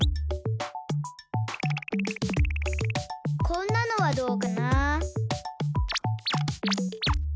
こんなのはどうかな。